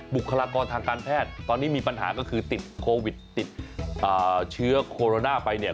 บุคลากรทางการแพทย์ตอนนี้มีปัญหาก็คือติดโควิดติดเชื้อโคโรนาไปเนี่ย